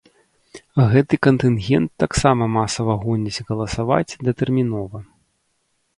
Гэты кантынгент таксама масава гоняць галасаваць датэрмінова.